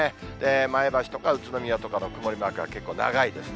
前橋とか宇都宮とかの曇りのマークは結構長いですね。